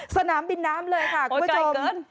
สนามบินน้ำเลยค่ะคุณผู้ชม